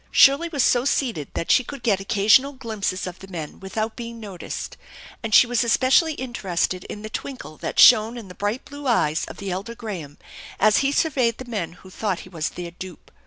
Shirley was so seated that she could get occasional glimpses of the men without being noticed, and she was especially interested in the twinkle that shone in the bright blue eyes of the elder Graham as he surveyed the men who thought he was their dupe.